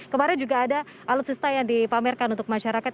kemarin juga ada alutsista yang dipamerkan untuk masyarakat